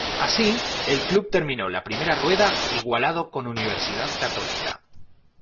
Así, el club terminó la primera rueda igualado con Universidad Católica.